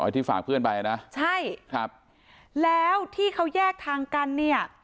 ที่ฝากเพื่อนไปนะใช่ครับแล้วที่เขาแยกทางกันเนี่ย